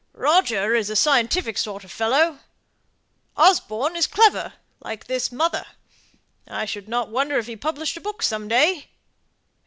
Roger is a scientific sort of a fellow. Osborne is clever, like his mother. I shouldn't wonder if he published a book some day.